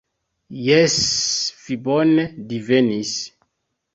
Jes, vi bone divenis!